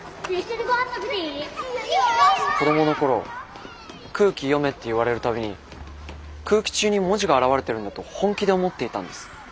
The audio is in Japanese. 子供の頃空気読めって言われる度に空気中に文字が現れてるんだと本気で思っていたんです。